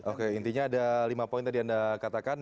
oke intinya ada lima poin tadi anda katakan